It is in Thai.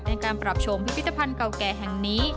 ในการปรับชมพิพิธภัณฑ์เก่าแก่แห่งนี้